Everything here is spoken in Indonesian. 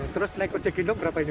terus naik ojek gendong berapa ini